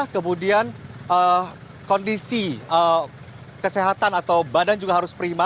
kemudian kondisi kesehatan atau badan juga harus prima